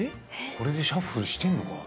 これでシャッフルしてんのかな？